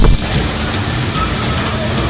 ต้องกลับมาด้วย